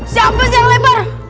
siapa sih yang lebar